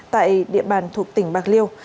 tại địa bàn thuộc tỉnh bạc liêu